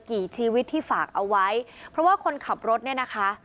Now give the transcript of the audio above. ชีวิตที่ฝากเอาไว้เพราะว่าคนขับรถเนี่ยนะคะ